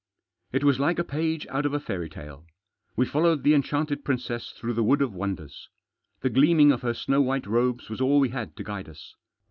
It was like a page out of a fairy tale ; we followed the enchanted princess through the wood of wonders. The gleaming of her snow white robes was all we had to guide us.